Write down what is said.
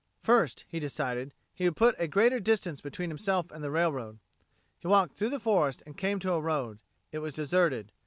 First, he decided, he would put a greater distance between himself and the railroad. He walked through the forest and came to a road. It was deserted.